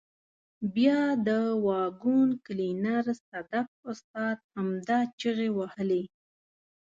بیا د واګون کلینر صدک استاد همدا چیغې وهلې.